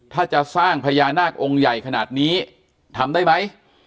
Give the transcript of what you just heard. ถ้าจะสร้างพญานาคองค์ใหญ่ขนาดนี้ทำได้ไหม